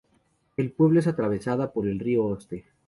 El pueblo es atravesada por el río Oste.